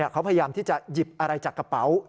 เขาพยายามที่จะหยิบอะไรจากกระเป๋า